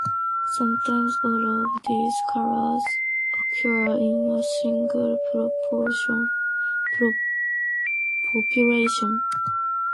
Sometimes all of these colors occur in a single population.